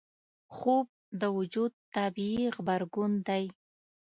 خوب د وجود طبیعي غبرګون دی